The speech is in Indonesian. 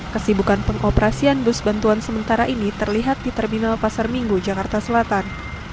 kesibukan pengoperasian bus bantuan sementara ini terlihat di terminal pasar minggu jakarta selatan